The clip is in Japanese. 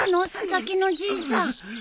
佐々木のじいさん。